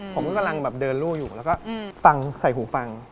ผมก็กำลังแบบเดินลู่อยู่แล้วก็ฟังใส่หูฟัง